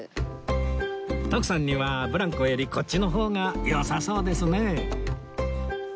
徳さんにはブランコよりこっちの方がよさそうですね